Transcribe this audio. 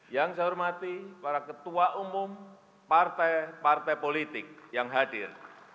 yang saya hormati para ketua umum partai partai politik yang hadir